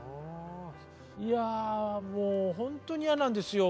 いやもうほんとに嫌なんですよ。